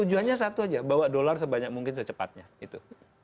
tujuannya satu aja bawa dolar sebanyak mungkin secepatnya itu